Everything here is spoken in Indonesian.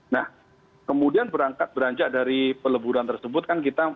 nah kemudian berangkat beranjak dari peleburan tersebut kan kita